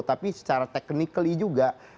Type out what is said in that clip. tapi secara technically juga